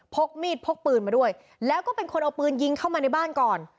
พกมีดพกปืนมาด้วยแล้วก็เป็นคนเอาปืนยิงเข้ามาในบ้านก่อน